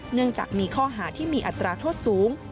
เนื่องจากมีข้อหาที่มีอัตราโทษสูง